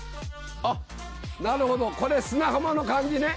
あっなるほどこれ砂浜の感じね。